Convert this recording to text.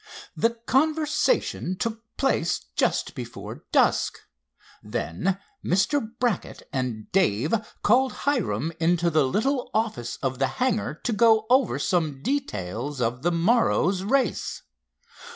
The conversation took place just before dusk. Then Mr. Brackett and Dave called Hiram into the little office of the hangar to go over some details of the morrow's race.